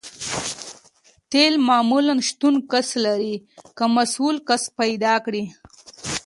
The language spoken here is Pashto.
تیل معمولاً شتون لري که مسؤل کس پیدا کړئ